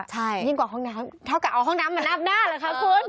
ใช่ยิ่งกว่าห้องน้ำเท่ากับเอาห้องน้ำมานับหน้าเหรอคะคุณ